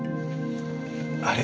あれ？